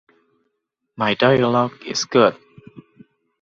My dialog is good.